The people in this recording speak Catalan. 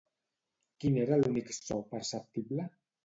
Quin era l'únic so perceptible?